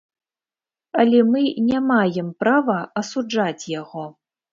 Але мы не маем права асуджаць яго.